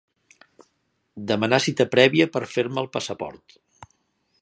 Demanar cita prèvia per fer-me el passaport.